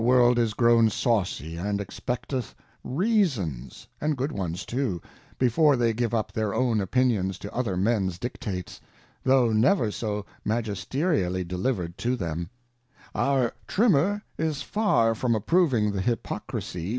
World is grown sawcy, and expecteth Reasons, and good ones too, before they give up their own Opinions to athei" Mens Dictates, tho never so Magisterially deliver'd to thenu Our Trimmer is far from approving the H ypocrisie.